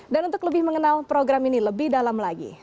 dan untuk lebih mengenal program ini lebih dalam lagi